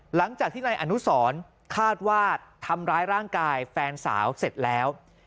หลังจากที่นายอนุสรคาดว่าทำร้ายร่างกายแฟนสาวเสร็จแล้ว